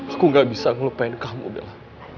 aku gak bisa ngelupain kamu bilang